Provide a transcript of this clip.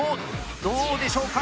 どうでしょうか？